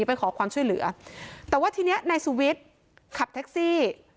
ไปขอความช่วยเหลือแต่ว่าทีเนี้ยนายสุวิทย์ขับแท็กซี่